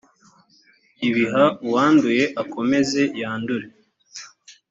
ibh uwanduye akomeze yandure